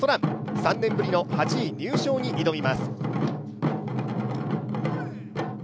３年ぶりの８位入賞に挑みます。